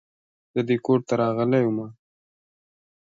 There is no concept of a "year" or "form" at Summerhill.